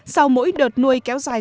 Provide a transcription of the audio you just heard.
sau mỗi đợt nuôi kéo dài